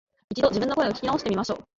一度、自分の声を聞き直してみましょう